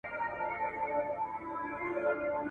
له خوراکه یې د غوښو ځان ساتلی !.